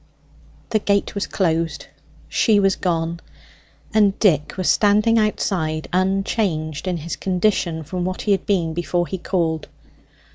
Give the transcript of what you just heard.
The gate was closed; she was gone; and Dick was standing outside, unchanged in his condition from what he had been before he called.